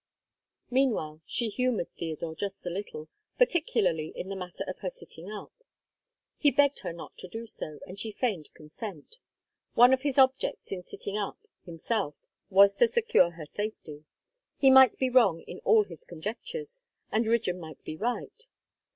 Meanwhile she humoured Theodore just a little, particularly in the matter of her sitting up. He begged her not to do so, and she feigned consent. One of his objects in sitting up himself was to secure her safety. He might be wrong in all his conjectures, and Rigden might be right.